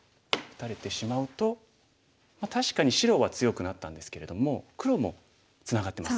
確かに白は強くなったんですけれども黒もツナがってます。